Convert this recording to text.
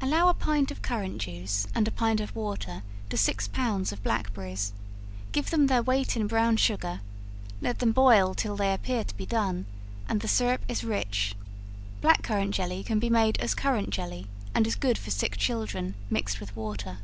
Allow a pint of currant juice and a pint of water to six pounds of blackberries; give them their weight in brown sugar; let them boil till they appear to be done, and the syrup is rich. Blackberry jelly can be made as currant jelly, and is good for sick children, mixed with water.